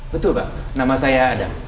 betul pak nama saya ada